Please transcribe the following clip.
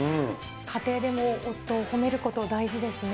家庭でも夫を褒めること、大事ですね。